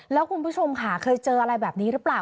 แล้วคุณผู้ชมค่ะเคยเจออะไรแบบนี้หรือเปล่า